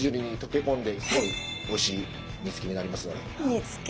煮つけ！